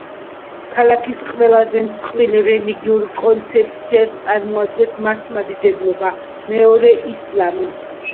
ქალაქის ყველაზე მსხვილ რელიგიურ კონცეფციას წარმოადგენს მართლმადიდებლობა, მეორე ისლამია.